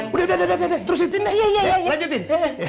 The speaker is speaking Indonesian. udah udah udah terusin deh lanjutin